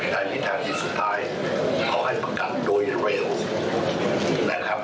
ในวิทยาลัยที่สุดท้ายเขาให้ประกันโดยเร็วนะครับ